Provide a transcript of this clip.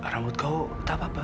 rambut kau tetap apa apa